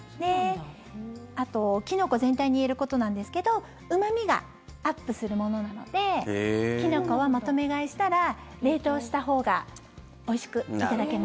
あと、キノコ全体に言えることなんですけどうま味がアップするものなのでキノコはまとめ買いしたら冷凍したほうがおいしくいただけます。